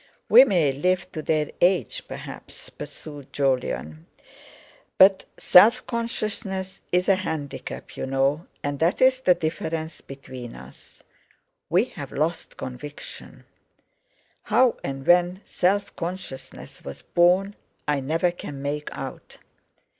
"We may live to their age, perhaps," pursued Jolyon, "but self consciousness is a handicap, you know, and that's the difference between us. We've lost conviction. How and when self consciousness was born I never can make out.